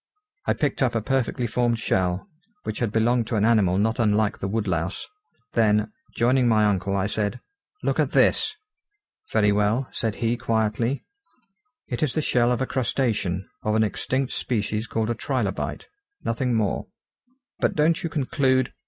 I picked up a perfectly formed shell, which had belonged to an animal not unlike the woodlouse: then, joining my uncle, I said: "Look at this!" "Very well," said he quietly, "it is the shell of a crustacean, of an extinct species called a trilobite. Nothing more." "But don't you conclude